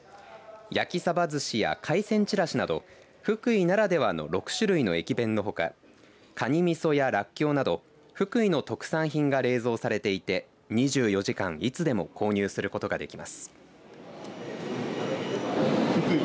焼きさばずしや海鮮ちらしなど福井ならではの６種類の駅弁のほかかにみそや、らっきょうなど福井の特産品が冷蔵されていて２４時間いつでも購入することができます。